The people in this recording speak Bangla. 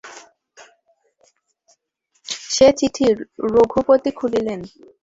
সে চিঠি রঘুপতি খুলিলেন।